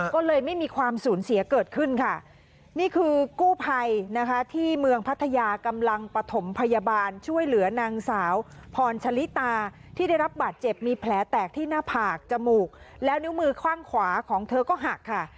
ก็เลยไม่มีความสูญเสียเกิดขึ้นค่ะนี่คือกู้ภัยนะคะที่เมืองพัทยากำลังปฐมพยาบาลช่วยเหลือนางสาวพรชะลิตาที่ได้รับบาดเจ็บมีแผลแตกที่หน้าผากจมูกแล้วนิ้วมือข้างขวาของเธอก็หักค่ะ